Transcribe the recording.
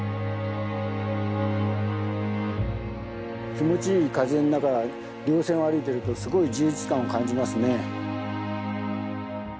気持ちいい風の中稜線を歩いているとすごい充実感を感じますね。